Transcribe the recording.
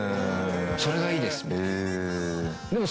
それがいいですみたいな。